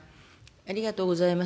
ありがとうございます。